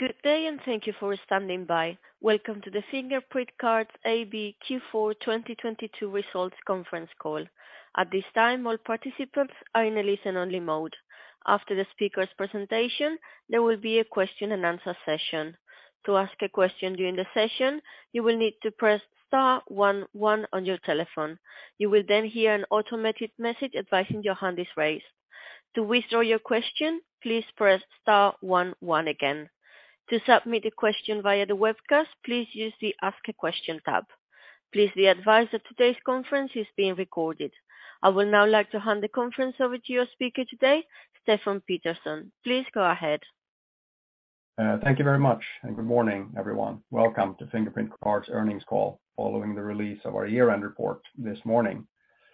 Good day. Thank you for standing by. Welcome to the Fingerprint Cards AB Q4 2022 results conference call. At this time, all participants are in a listen-only mode. After the speaker's presentation, there will be a question and answer session. To ask a question during the session, you will need to press star 1-1 on your telephone. You will hear an automated message advising your hand is raised. To withdraw your question, please press star 1-1 again. To submit a question via the webcast, please use the Ask a Question tab. Please be advised that today's conference is being recorded. I would now like to hand the conference over to your speaker today, Stefan Pettersson. Please go ahead. Thank you very much, good morning, everyone. Welcome to Fingerprint Cards earnings call following the release of our year-end report this morning.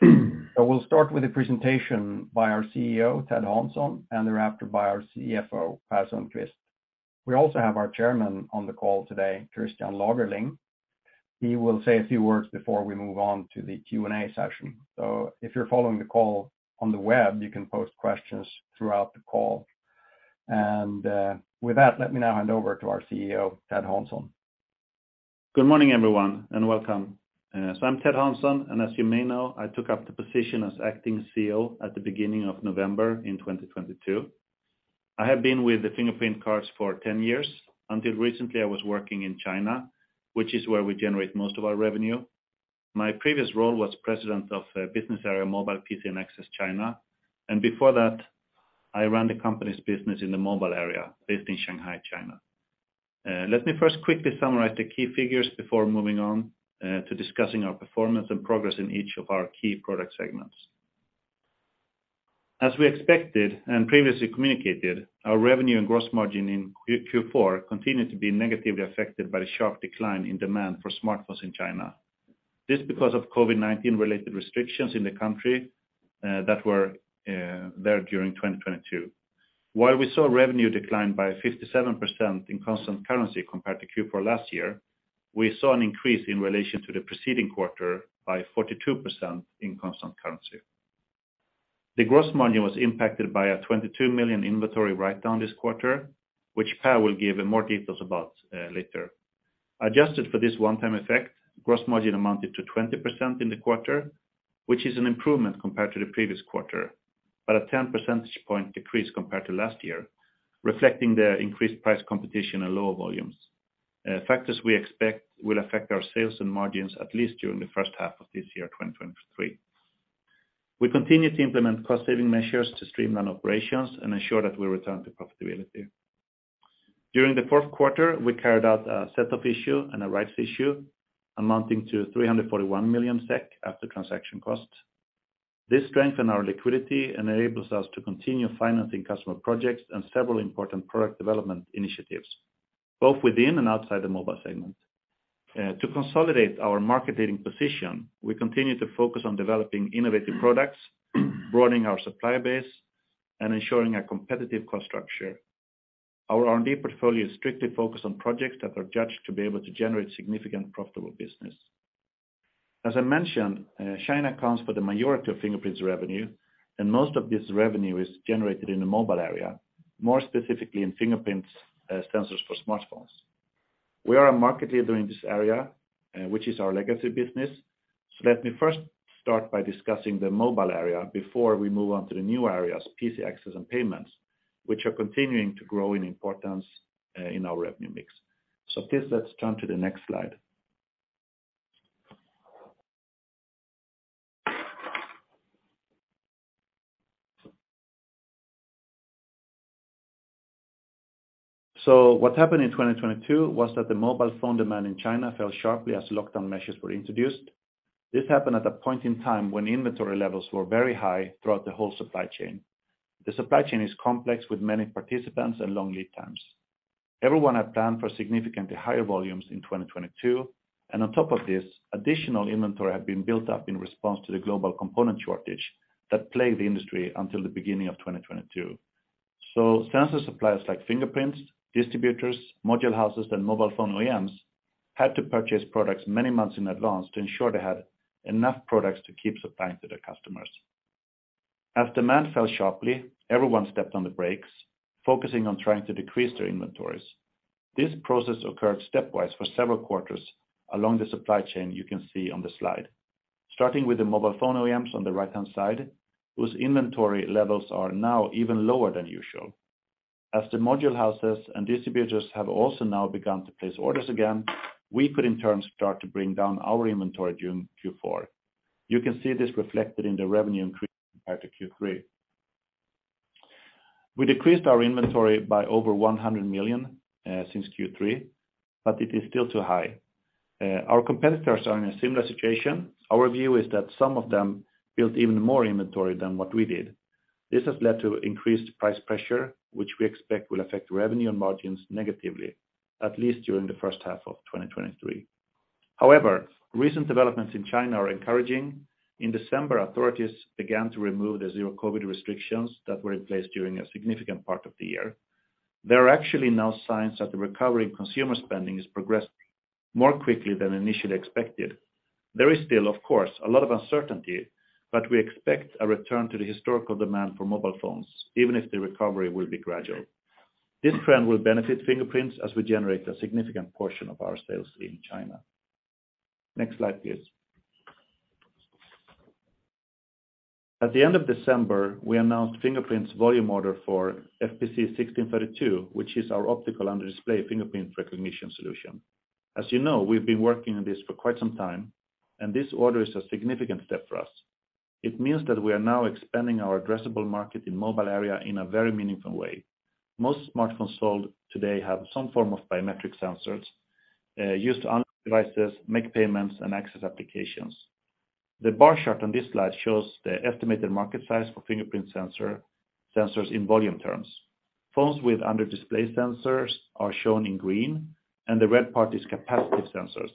I will start with a presentation by our CEO, Ted Hansson, and thereafter by our CFO, Per Sundqvist. We also have our Chairman on the call today, Christian Lagerling. He will say a few words before we move on to the Q&A session. If you're following the call on the web, you can post questions throughout the call. With that, let me now hand over to our CEO, Ted Hansson. Good morning, everyone, and welcome. I'm Ted Hansson, and as you may know, I took up the position as acting CEO at the beginning of November in 2022. I have been with the Fingerprint Cards for 10 years. Until recently, I was working in China, which is where we generate most of our revenue. My previous role was President of business area mobile PC and access China. Before that, I ran the company's business in the mobile area based in Shanghai, China. Let me first quickly summarize the key figures before moving on to discussing our performance and progress in each of our key product segments. As we expected and previously communicated, our revenue and gross margin in Q4 continued to be negatively affected by the sharp decline in demand for smartphones in China. This because of COVID-19 related restrictions in the country that were there during 2022. While we saw revenue decline by 57% in constant currency compared to Q4 last year, we saw an increase in relation to the preceding quarter by 42% in constant currency. The gross margin was impacted by a 22 million inventory write-down this quarter, which Per will give in more details about later. Adjusted for this one-time effect, gross margin amounted to 20% in the quarter, which is an improvement compared to the previous quarter, but a 10 percentage point decrease compared to last year, reflecting the increased price competition and lower volumes. Factors we expect will affect our sales and margins at least during the first half of this year, 2023. We continue to implement cost-saving measures to streamline operations and ensure that we return to profitability. During the fourth quarter, we carried out a set of issue and a rights issue amounting to 341 million SEK after transaction costs. This strengthen our liquidity and enables us to continue financing customer projects and several important product development initiatives, both within and outside the mobile segment. To consolidate our market leading position, we continue to focus on developing innovative products, broadening our supply base, and ensuring a competitive cost structure. Our R&D portfolio is strictly focused on projects that are judged to be able to generate significant profitable business. As I mentioned, China accounts for the majority of Fingerprints' revenue, and most of this revenue is generated in the mobile area, more specifically in Fingerprints' sensors for smartphones. We are a market leader in this area, which is our legacy business. Let me first start by discussing the mobile area before we move on to the new areas, PC access and payments, which are continuing to grow in importance in our revenue mix. Please, let's turn to the next slide. What happened in 2022 was that the mobile phone demand in China fell sharply as lockdown measures were introduced. This happened at a point in time when inventory levels were very high throughout the whole supply chain. The supply chain is complex with many participants and long lead times. Everyone had planned for significantly higher volumes in 2022, and on top of this, additional inventory had been built up in response to the global component shortage that plagued the industry until the beginning of 2022. Sensor suppliers like Fingerprints, distributors, module houses, and mobile phone OEMs had to purchase products many months in advance to ensure they had enough products to keep supplying to their customers. As demand fell sharply, everyone stepped on the brakes, focusing on trying to decrease their inventories. This process occurred stepwise for several quarters along the supply chain you can see on the slide. Starting with the mobile phone OEMs on the right-hand side, whose inventory levels are now even lower than usual. As the module houses and distributors have also now begun to place orders again, we could in turn start to bring down our inventory during Q4. You can see this reflected in the revenue increase compared to Q3. We decreased our inventory by over 100 million since Q3, but it is still too high. Our competitors are in a similar situation. Our view is that some of them built even more inventory than what we did. This has led to increased price pressure, which we expect will affect revenue and margins negatively, at least during the first half of 2023. Recent developments in China are encouraging. In December, authorities began to remove the zero COVID-19 restrictions that were in place during a significant part of the year. There are actually now signs that the recovery in consumer spending is progressing more quickly than initially expected. There is still, of course, a lot of uncertainty, but we expect a return to the historical demand for mobile phones, even if the recovery will be gradual. This trend will benefit Fingerprints as we generate a significant portion of our sales in China. Next slide, please. At the end of December, we announced Fingerprint's volume order for FPC1632, which is our optical under-display fingerprint recognition solution. As you know, we've been working on this for quite some time, this order is a significant step for us. It means that we are now expanding our addressable market in mobile area in a very meaningful way. Most smartphones sold today have some form of biometric sensors used to unlock devices, make payments, and access applications. The bar chart on this slide shows the estimated market size for fingerprint sensors in volume terms. Phones with under-display sensors are shown in green, and the red part is capacitive sensors,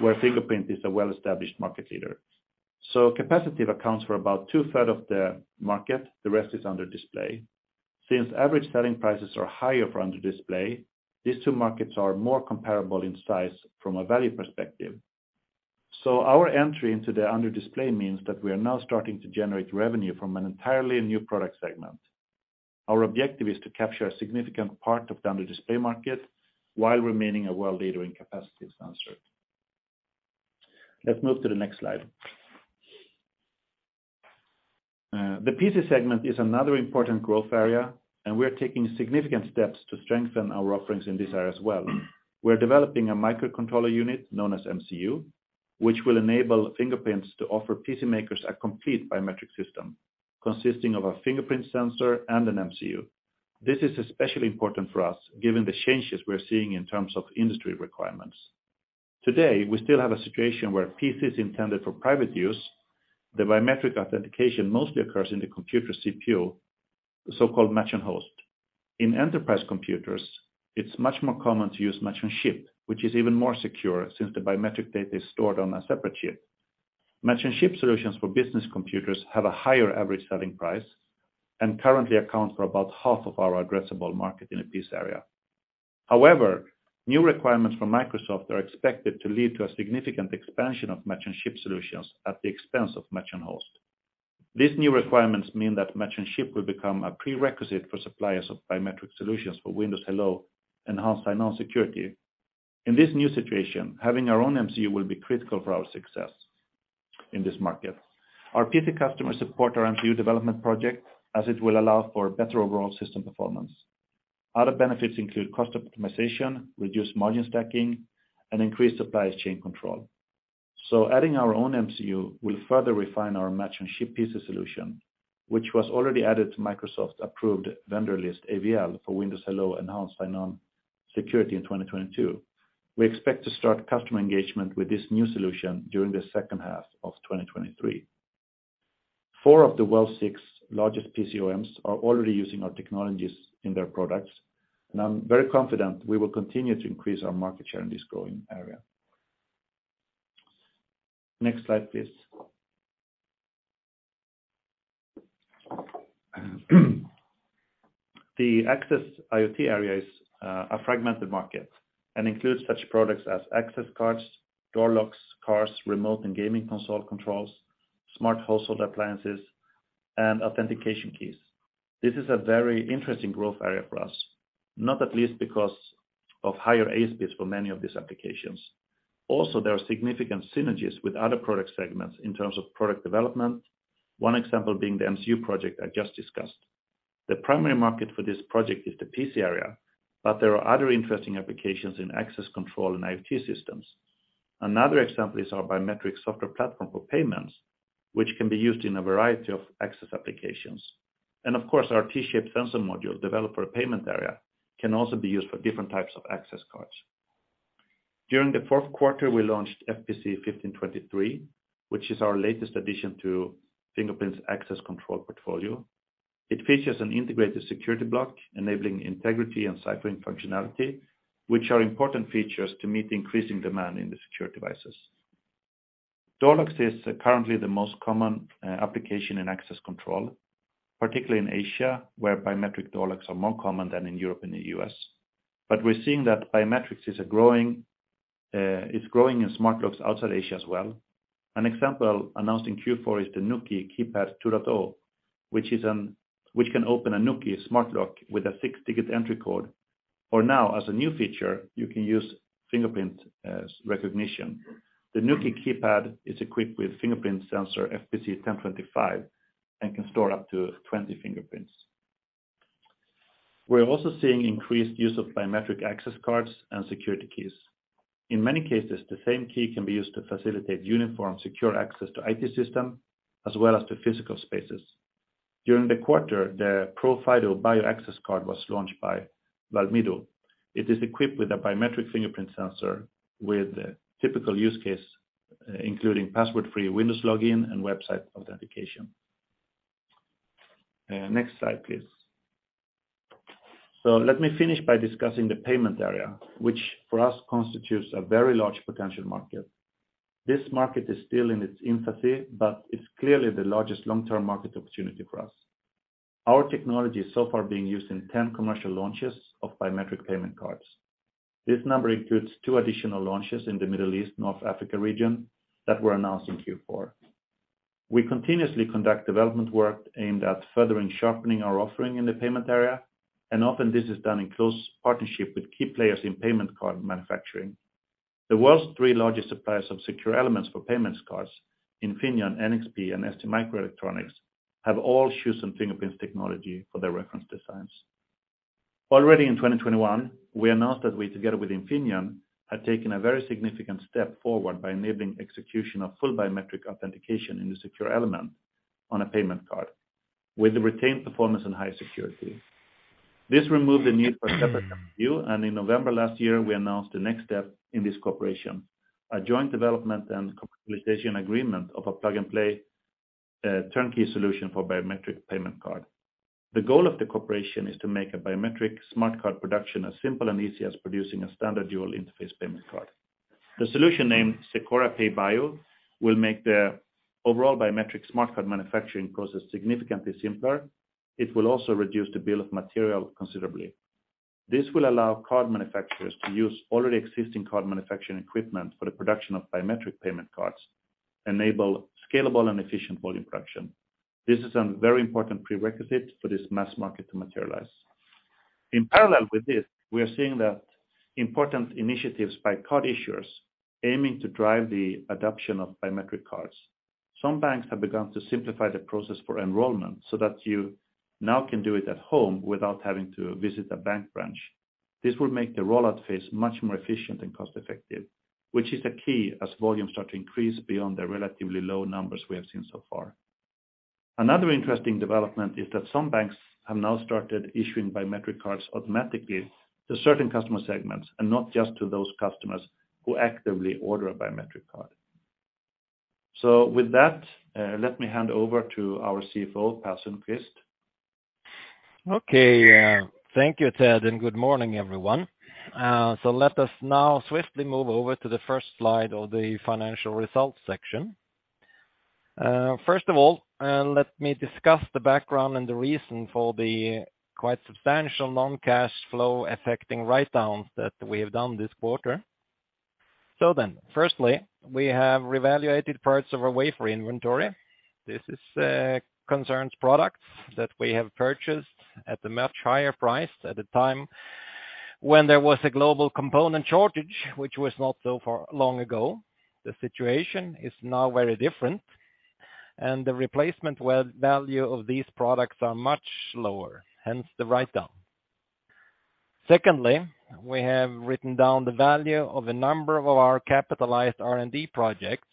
where Fingerprint is a well-established market leader. Capacitive accounts for about two-thirds of the market. The rest is under-display. Average selling prices are higher for under-display, these two markets are more comparable in size from a value perspective. Our entry into the under-display means that we are now starting to generate revenue from an entirely new product segment. Our objective is to capture a significant part of the under-display market while remaining a world leader in capacitive sensor. Let's move to the next slide. The PC segment is another important growth area, and we are taking significant steps to strengthen our offerings in this area as well. We're developing a microcontroller unit known as MCU, which will enable Fingerprints to offer PC makers a complete biometric system consisting of a fingerprint sensor and an MCU. This is especially important for us given the changes we're seeing in terms of industry requirements. Today, we still have a situation where PC is intended for private use. The biometric authentication mostly occurs in the computer CPU, the so-called Match-on-Host. In enterprise computers, it's much more common to use Match-on-Chip, which is even more secure since the biometric data is stored on a separate chip. Match-on-Chip solutions for business computers have a higher average selling price and currently account for about half of our addressable market in a PC area. New requirements from Microsoft are expected to lead to a significant expansion of Match-on-Chip solutions at the expense of Match-on-Host. These new requirements mean that Match-on-Chip will become a prerequisite for suppliers of biometric solutions for Windows Hello Enhanced Sign-in Security. In this new situation, having our own MCU will be critical for our success in this market. Our PC customers support our MCU development project as it will allow for better overall system performance. Other benefits include cost optimization, reduced margin stacking, and increased supply chain control. Adding our own MCU will further refine our Match-on-Chip PC solution, which was already added to Microsoft's approved vendor list AVL for Windows Hello Enhanced Sign-in Security in 2022. We expect to start customer engagement with this new solution during the second half of 2023. Four of the world's six largest PC OEMs are already using our technologies in their products, and I'm very confident we will continue to increase our market share in this growing area. Next slide, please. The access IoT area is a fragmented market and includes such products as access cards, door locks, cars, remote and gaming console controls, smart household appliances, and authentication keys. This is a very interesting growth area for us, not at least because of higher ASPs for many of these applications. There are significant synergies with other product segments in terms of product development, one example being the MCU project I just discussed. The primary market for this project is the PC area, but there are other interesting applications in access control and IoT systems. Another example is our biometric software platform for payments, which can be used in a variety of access applications. Our T-shaped sensor module developed for payment area can also be used for different types of access cards. During the fourth quarter, we launched FPC1523, which is our latest addition to Fingerprints' access control portfolio. It features an integrated security block enabling integrity and [cycling] functionality, which are important features to meet the increasing demand in the secure devices. Door locks is currently the most common application in access control, particularly in Asia, where biometric door locks are more common than in Europe and the U.S. We're seeing that biometrics is a growing in smart locks outside Asia as well. An example announced in Q4 is the Nuki Keypad 2.0, which can open a Nuki smart lock with a six-digit entry code. For now, as a new feature, you can use fingerprint as recognition. The Nuki keypad is equipped with fingerprint sensor FPC1025 and can store up to 20 fingerprints. We're also seeing increased use of biometric access cards and security keys. In many cases, the same key can be used to facilitate uniform secure access to IT system as well as to physical spaces. During the quarter, the ProFIDO Bio Access card was launched by Valmido. It is equipped with a biometric fingerprint sensor with a typical use case, including password-free Windows login and website authentication. Next slide, please. Let me finish by discussing the payment area, which for us constitutes a very large potential market. This market is still in its infancy, but it's clearly the largest long-term market opportunity for us. Our technology is so far being used in 10 commercial launches of biometric payment cards. This number includes two additional launches in the Middle East, North Africa region that were announced in Q4. We continuously conduct development work aimed at furthering sharpening our offering in the payment area, and often this is done in close partnership with key players in payment card manufacturing. The world's three largest suppliers of secure elements for payment cards, Infineon, NXP, and STMicroelectronics, have all chosen Fingerprint's technology for their reference designs. Already in 2021, we announced that we, together with Infineon, had taken a very significant step forward by enabling execution of full biometric authentication in the secure element on a payment card with retained performance and high security. This removed the need for separate MCU. In November last year, we announced the next step in this cooperation, a joint development and commercialization agreement of a plug-and-play, turnkey solution for biometric payment card. The goal of the cooperation is to make a biometric smart card production as simple and easy as producing a standard dual interface payment card. The solution, named SECORA Pay Bio, will make the overall biometric smart card manufacturing process significantly simpler. It will also reduce the bill of material considerably. This will allow card manufacturers to use already existing card manufacturing equipment for the production of biometric payment cards, enable scalable and efficient volume production. This is a very important prerequisite for this mass market to materialize. In parallel with this, we are seeing that important initiatives by card issuers aiming to drive the adoption of biometric cards. Some banks have begun to simplify the process for enrollment so that you now can do it at home without having to visit a bank branch. This will make the rollout phase much more efficient and cost-effective, which is the key as volumes start to increase beyond the relatively low numbers we have seen so far. Another interesting development is that some banks have now started issuing biometric cards automatically to certain customer segments, and not just to those customers who actively order a biometric card. With that, let me hand over to our CFO, Per Sundqvist. Okay. Thank you, Ted, and good morning, everyone. Let us now swiftly move over to the first slide of the financial results section. First of all, let me discuss the background and the reason for the quite substantial non-cash flow affecting writedowns that we have done this quarter. Firstly, we have reevaluated parts of our wafer inventory. This concerns products that we have purchased at a much higher price at the time when there was a global component shortage, which was not so far long ago. The situation is now very different, and the replacement value of these products are much lower, hence the writedown. Secondly, we have written down the value of a number of our capitalized R&D projects.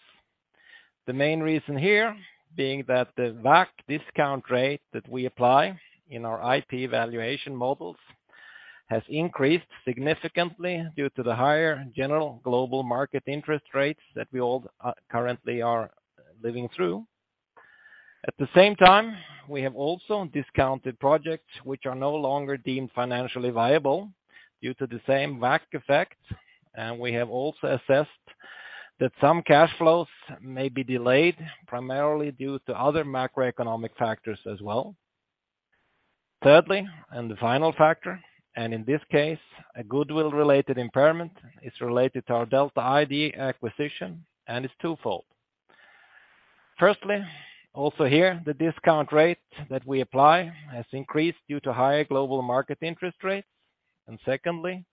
The main reason here being that the WACC discount rate that we apply in our IP valuation models has increased significantly due to the higher general global market interest rates that we all currently are living through. At the same time, we have also discounted projects which are no longer deemed financially viable due to the same WACC effect. We have also assessed that some cash flows may be delayed primarily due to other macroeconomic factors as well. Thirdly, and the final factor, and in this case, a goodwill-related impairment is related to our Delta ID acquisition and is twofold. Firstly, also here, the discount rate that we apply has increased due to higher global market interest rates. Secondly,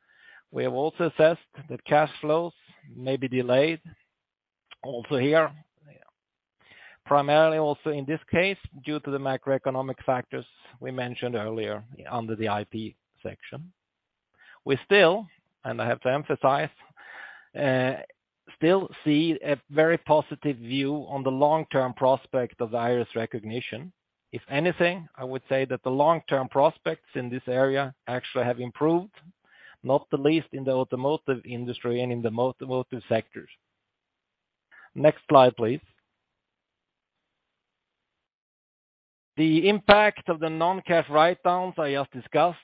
we have also assessed that cash flows may be delayed also here, primarily also in this case, due to the macroeconomic factors we mentioned earlier under the IP section. We still, and I have to emphasize, still see a very positive view on the long-term prospect of iris recognition. If anything, I would say that the long-term prospects in this area actually have improved, not the least in the automotive industry and in the automotive sectors. Next slide, please. The impact of the non-cash writedowns I just discussed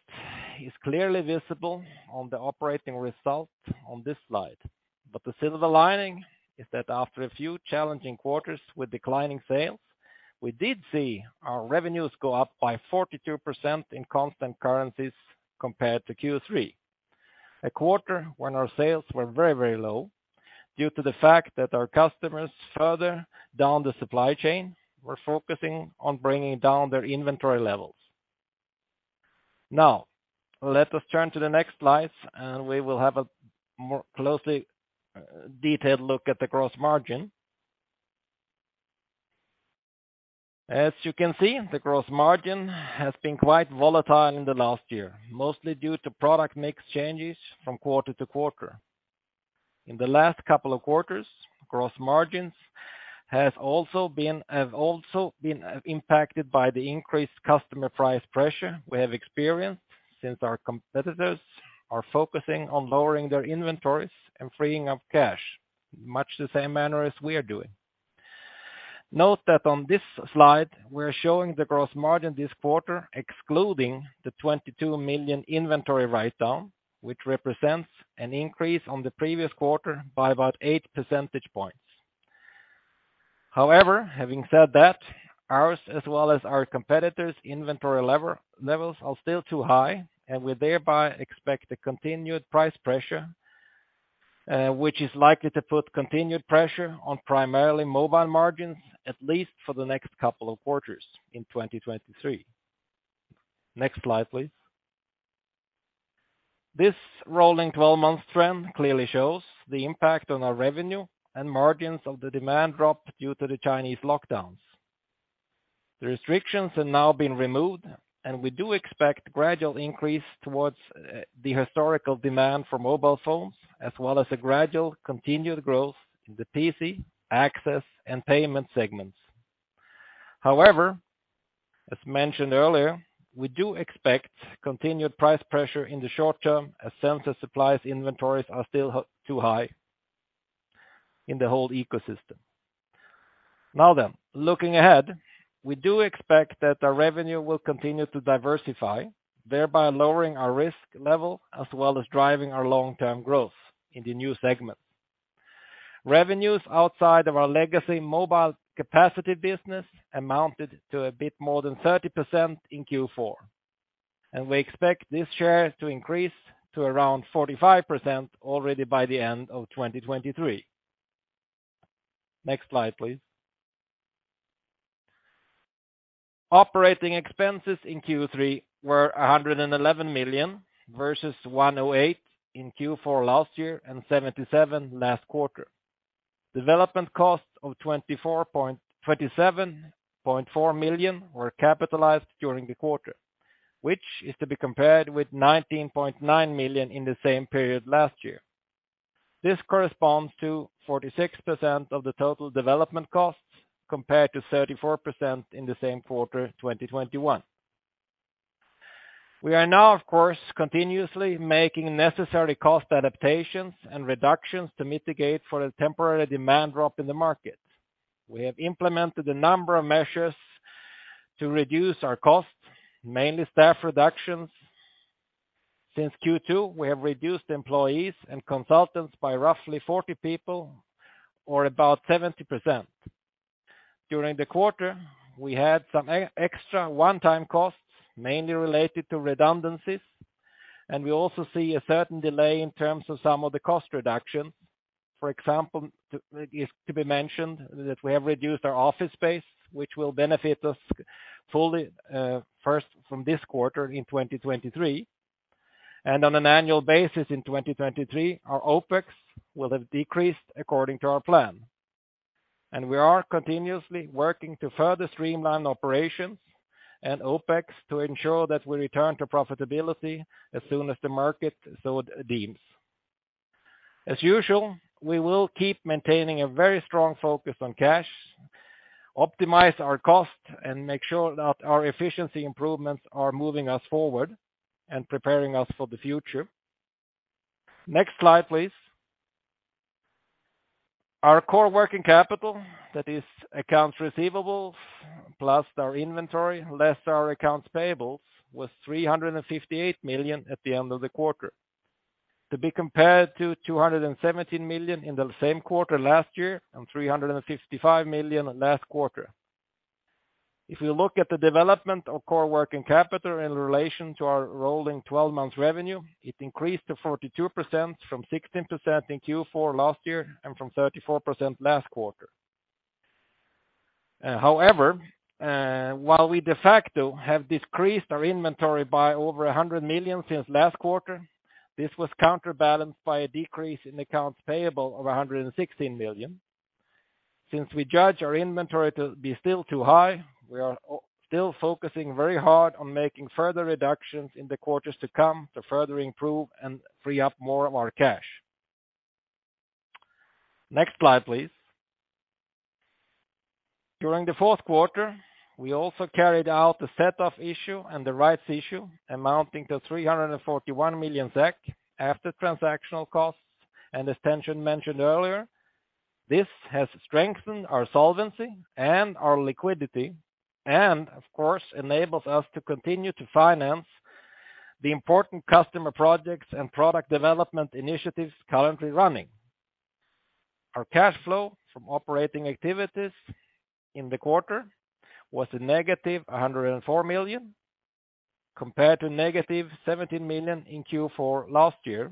is clearly visible on the operating result on this slide. The silver lining is that after a few challenging quarters with declining sales, we did see our revenues go up by 42% in constant currencies compared to Q3, a quarter when our sales were very, very low due to the fact that our customers further down the supply chain were focusing on bringing down their inventory levels. Let us turn to the next slide, and we will have a more closely detailed look at the gross margin. As you can see, the gross margin has been quite volatile in the last year, mostly due to product mix changes from quarter to quarter. In the last couple of quarters, gross margins have also been impacted by the increased customer price pressure we have experienced since our competitors are focusing on lowering their inventories and freeing up cash, much the same manner as we are doing. Note that on this slide, we're showing the gross margin this quarter, excluding the 22 million inventory writedown, which represents an increase on the previous quarter by about 8 percentage points. Having said that, ours as well as our competitors' inventory levels are still too high, and we thereby expect a continued price pressure, which is likely to put continued pressure on primarily mobile margins, at least for the next couple of quarters in 2023. Next slide, please. This rolling 12-month trend clearly shows the impact on our revenue and margins of the demand drop due to the Chinese lockdowns. The restrictions have now been removed, we do expect gradual increase towards the historical demand for mobile phones, as well as a gradual continued growth in the PC, access, and payment segments. However, as mentioned earlier, we do expect continued price pressure in the short term as sensor supplies inventories are still too high in the whole ecosystem. Looking ahead, we do expect that our revenue will continue to diversify, thereby lowering our risk level as well as driving our long-term growth in the new segment. Revenues outside of our legacy mobile capacitive business amounted to a bit more than 30% in Q4. We expect this share to increase to around 45% already by the end of 2023. Next slide, please. Operating expenses in Q3 were 111 million, versus 108 million in Q4 last year and 77 million last quarter. Development costs of 27.4 million were capitalized during the quarter, which is to be compared with 19.9 million in the same period last year. This corresponds to 46% of the total development costs, compared to 34% in the same quarter, 2021. We are now, of course, continuously making necessary cost adaptations and reductions to mitigate for the temporary demand drop in the market. We have implemented a number of measures to reduce our costs, mainly staff reductions. Since Q2, we have reduced employees and consultants by roughly 40 people, or about 70%. During the quarter, we had some extra one-time costs, mainly related to redundancies, and we also see a certain delay in terms of some of the cost reduction. For example, it is to be mentioned that we have reduced our office space, which will benefit us fully, first from this quarter in 2023. On an annual basis in 2023, our OpEx will have decreased according to our plan. We are continuously working to further streamline operations and OpEx to ensure that we return to profitability as soon as the market so it deems. As usual, we will keep maintaining a very strong focus on cash, optimize our cost, and make sure that our efficiency improvements are moving us forward and preparing us for the future. Next slide, please. Our core working capital, that is accounts receivables plus our inventory, less our accounts payables, was 358 million at the end of the quarter. To be compared to 217 million in the same quarter last year and 355 million last quarter. If you look at the development of core working capital in relation to our rolling twelve-month revenue, it increased to 42% from 16% in Q4 last year and from 34% last quarter. However, while we de facto have decreased our inventory by over 100 million since last quarter, this was counterbalanced by a decrease in accounts payable of 116 million. Since we judge our inventory to be still too high, we are still focusing very hard on making further reductions in the quarters to come to further improve and free up more of our cash. Next slide, please. During the fourth quarter, we also carried out the set-off issue and the rights issue amounting to 341 million SEK after transactional costs. As Ted Hansson mentioned earlier, this has strengthened our solvency and our liquidity, and of course, enables us to continue to finance the important customer projects and product development initiatives currently running. Our cash flow from operating activities in the quarter was a negative 104 million, compared to negative 17 million in Q4 last year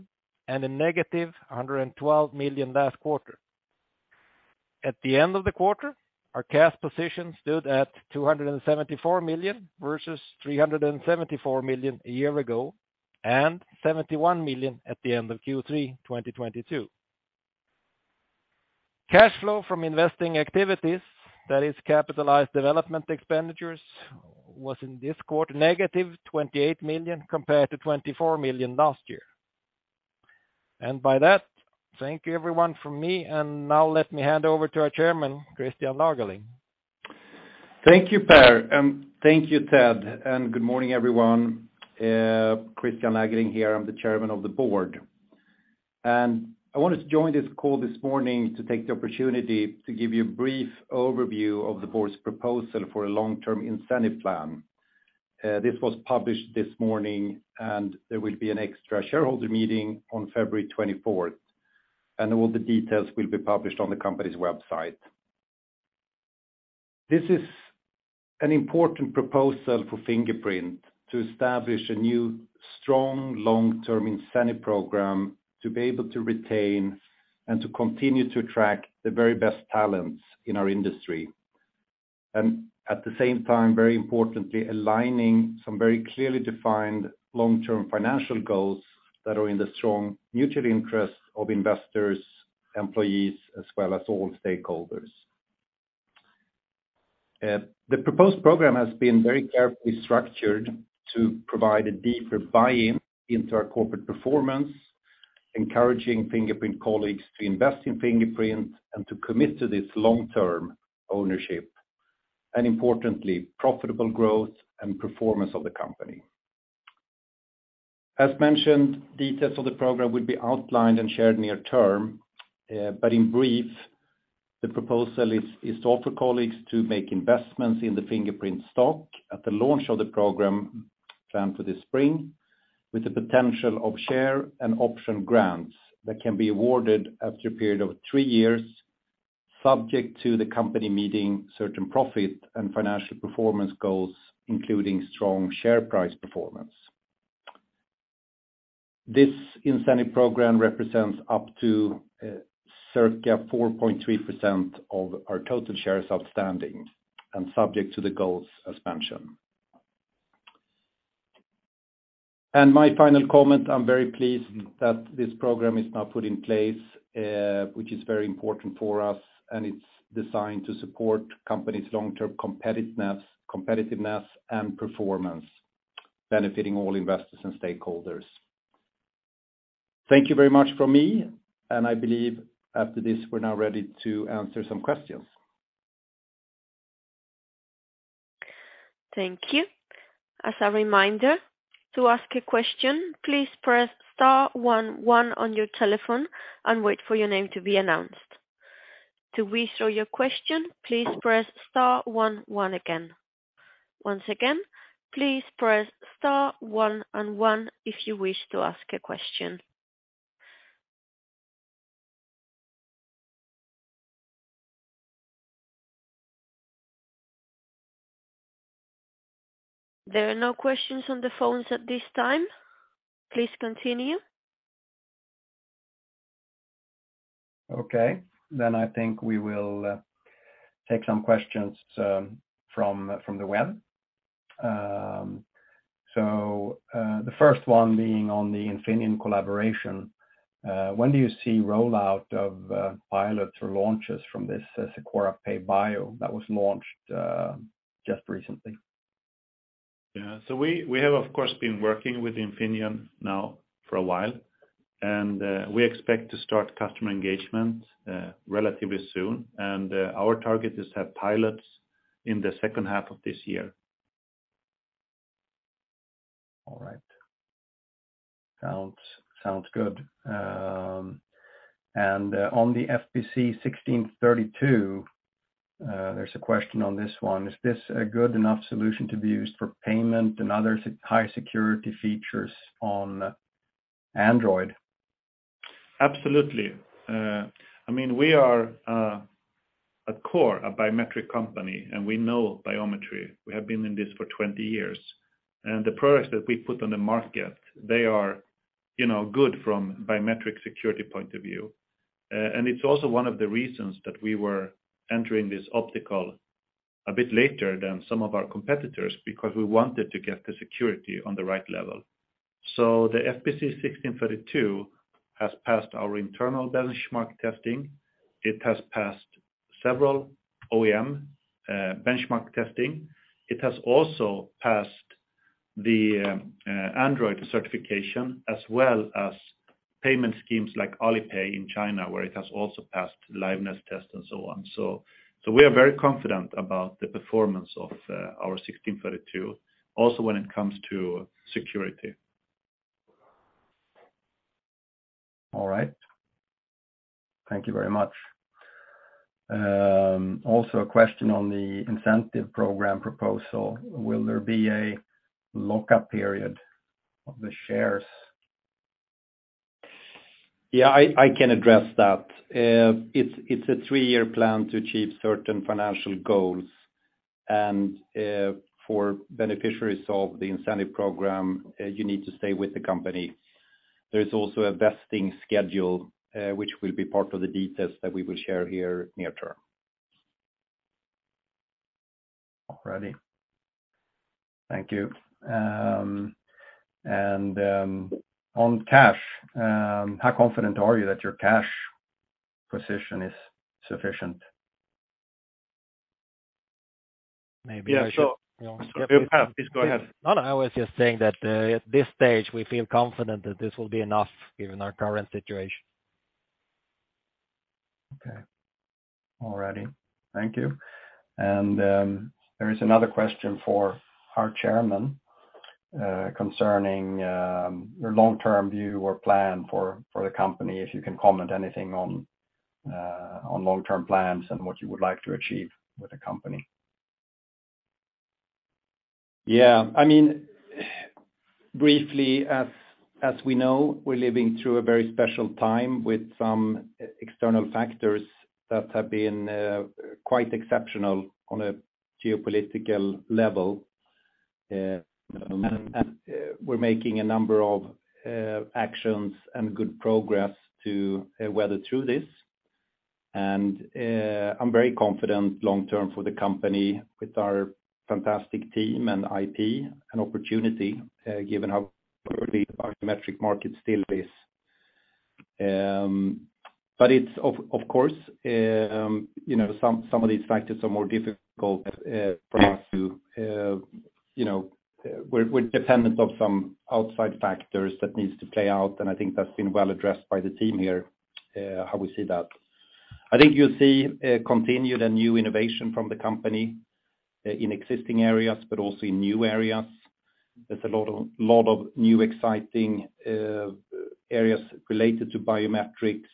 and a negative 112 million last quarter. At the end of the quarter, our cash position stood at 274 million, versus 374 million a year ago and 71 million at the end of Q3 2022. Cash flow from investing activities, that is capitalized development expenditures, was in this quarter negative 28 million compared to 24 million last year. By that, thank you everyone from me. Now let me hand over to our Chairman, Christian Lagerling. Thank you, Per, and thank you, Ted, and good morning, everyone. Christian Lagerling here, I'm the chairman of the board. I wanted to join this call this morning to take the opportunity to give you a brief overview of the board's proposal for a long-term incentive plan. This was published this morning, and there will be an extra shareholder meeting on February 24th, and all the details will be published on the company's website. This is an important proposal for Fingerprint to establish a new, strong, long-term incentive program to be able to retain and to continue to attract the very best talents in our industry. At the same time, very importantly, aligning some very clearly defined long-term financial goals that are in the strong mutual interest of investors, employees, as well as all stakeholders. The proposed program has been very carefully structured to provide a deeper buy-in into our corporate performance, encouraging Fingerprint colleagues to invest in Fingerprint and to commit to this long-term ownership, and importantly, profitable growth and performance of the company. As mentioned, details of the program will be outlined and shared near term. But in brief, the proposal is to offer colleagues to make investments in the Fingerprint stock at the launch of the program planned for this spring, with the potential of share and option grants that can be awarded after a period of three years, subject to the company meeting certain profit and financial performance goals, including strong share price performance. This incentive program represents up to circa 4.3% of our total shares outstanding and subject to the goals as mentioned. My final comment, I'm very pleased that this program is now put in place, which is very important for us. It's designed to support company's long-term competitiveness and performance, benefiting all investors and stakeholders. Thank you very much from me. I believe after this, we're now ready to answer some questions. Thank you. As a reminder, to ask a question, please press star 1 1 on your telephone and wait for your name to be announced. To withdraw your question, please press star 1 1 again. Once again, please press star one and one if you wish to ask a question. There are no questions on the phones at this time. Please continue. Okay. I think we will, take some questions, from the web. The first one being on the Infineon collaboration, when do you see rollout of, pilots or launches from this SECORA Pay Bio that was launched, just recently? We have, of course, been working with Infineon now for a while. We expect to start customer engagement relatively soon. Our target is to have pilots in the second half of this year. All right. Sounds good. On the FPC1632, there's a question on this one. Is this a good enough solution to be used for payment and other high security features on Android? Absolutely. I mean, we are, at core, a biometric company, and we know biometry. We have been in this for 20 years. The products that we put on the market, they are, you know, good from biometric security point of view. It's also one of the reasons that we were entering this optical a bit later than some of our competitors, because we wanted to get the security on the right level. The FPC1632 has passed our internal benchmark testing. It has passed several OEM benchmark testing. It has also passed the Android certification, as well as payment schemes like Alipay in China, where it has also passed liveness test and so on. We are very confident about the performance of our FPC1632, also when it comes to security. All right. Thank you very much. Also a question on the incentive program proposal. Will there be a lockup period of the shares? Yeah, I can address that. It's a three-year plan to achieve certain financial goals. For beneficiaries of the incentive program, you need to stay with the company. There is also a vesting schedule, which will be part of the details that we will share here near term. All righty. Thank you. On cash, how confident are you that your cash position is sufficient? Yeah. Yeah. Please go ahead. No, no. I was just saying that, at this stage, we feel confident that this will be enough given our current situation. Okay. All righty. Thank you. There is another question for our Chairman, concerning your long-term view or plan for the company, if you can comment anything on long-term plans and what you would like to achieve with the company. Yeah. I mean, briefly, as we know, we're living through a very special time with some external factors that have been quite exceptional on a geopolitical level. We're making a number of actions and good progress to weather through this. I'm very confident long-term for the company with our fantastic team and IP and opportunity, given how biometric market still is. It's of course, you know, some of these factors are more difficult for us to, you know... We're dependent of some outside factors that needs to play out, and I think that's been well addressed by the team here, how we see that. I think you'll see continued and new innovation from the company in existing areas, but also in new areas. There's a lot of new exciting areas related to biometrics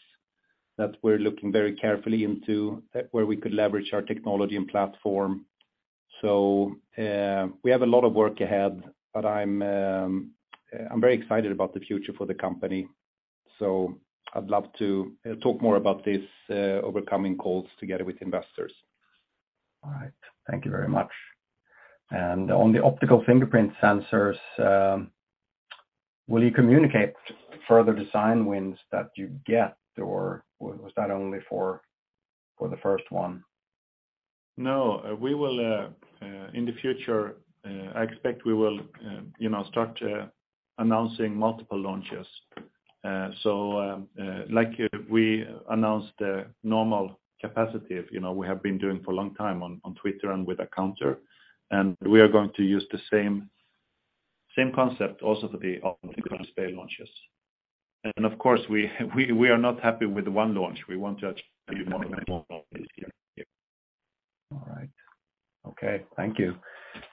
that we're looking very carefully into, where we could leverage our technology and platform. We have a lot of work ahead, but I'm very excited about the future for the company. I'd love to talk more about this overcoming calls together with investors. All right. Thank you very much. On the optical fingerprint sensors, will you communicate further design wins that you get, or was that only for the first one? No. We will in the future, I expect we will, you know, start announcing multiple launches. Like we announced the normal capacity, you know, we have been doing for a long time on Twitter and with a counter, and we are going to use the same concept also for the optical display launches. Of course, we are not happy with the one launch. We want to achieve more. All right. Okay. Thank you.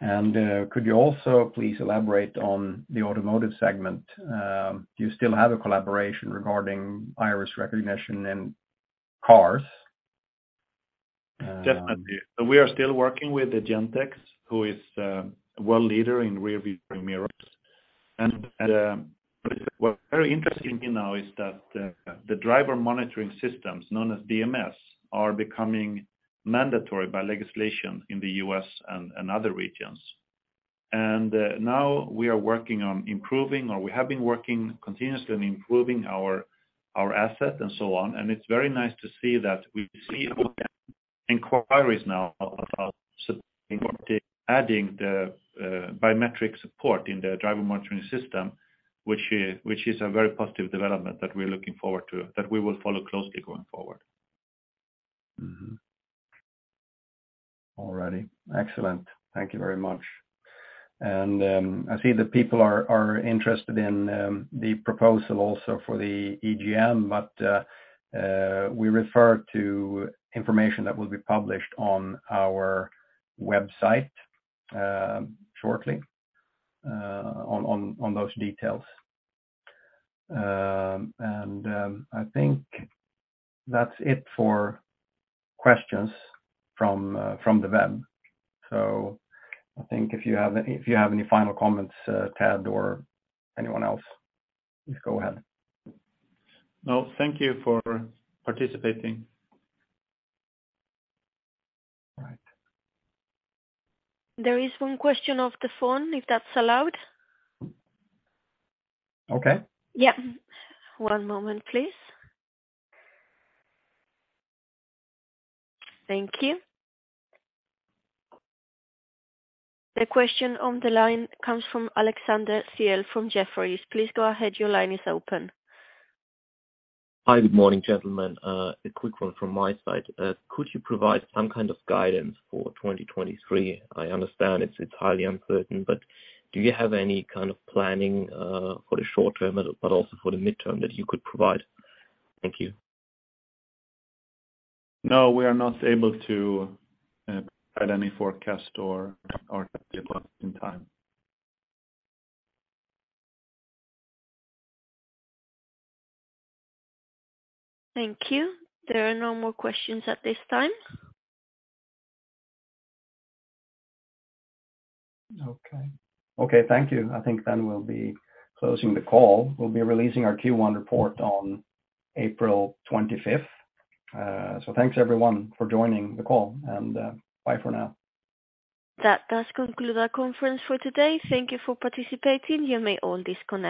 Could you also please elaborate on the automotive segment? Do you still have a collaboration regarding iris recognition in cars? Definitely. We are still working with Gentex, who is a world leader in rear view mirrors. What's very interesting now is that the driver monitoring systems known as DMS are becoming mandatory by legislation in the U.S. and other regions. Now we are working on improving, or we have been working continuously on improving our asset and so on. It's very nice to see that we see inquiries now about adding the biometric support in the driver monitoring system, which is a very positive development that we're looking forward to, that we will follow closely going forward. All righty. Excellent. Thank you very much. I see that people are interested in the proposal also for the EGM, we refer to information that will be published on our website shortly on those details. I think that's it for questions from the web. I think if you have any final comments, Ted or anyone else, please go ahead. No. Thank you for participating. All right. There is one question off the phone, if that's allowed. Okay. Yeah. One moment, please. Thank you. The question on the line comes from Alexander Thiel from Jefferies. Please go ahead. Your line is open. Hi. Good morning, gentlemen. A quick one from my side. Could you provide some kind of guidance for 2023? I understand it's highly uncertain, but do you have any kind of planning for the short-term, but also for the midterm that you could provide? Thank you. No, we are not able to, add any forecast or give us in time. Thank you. There are no more questions at this time. Okay. Okay, thank you. I think we'll be closing the call. We'll be releasing our Q1 report on April 25th. Thanks everyone for joining the call, and, bye for now. That does conclude our conference for today. Thank you for participating. You may all disconnect.